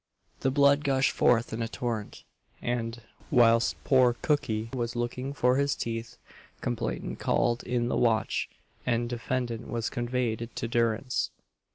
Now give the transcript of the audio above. The blood gushed forth in a torrent; and, whilst poor cookey was looking for his teeth, complainant called in the watch, and defendant was conveyed to durance.